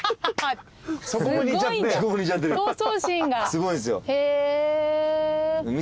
すごいんですよ。